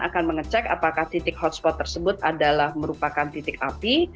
akan mengecek apakah titik hotspot tersebut adalah merupakan titik api